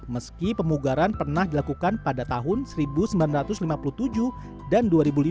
meski pemugaran pernah dilakukan pada tahun seribu sembilan ratus lima puluh tujuh dan dua ribu lima